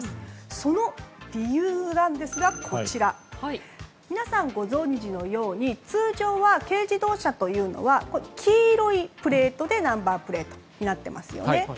その理由なんですが皆さん、ご存じのように通常は軽自動車というのは黄色いプレートでナンバープレートになっていますよね。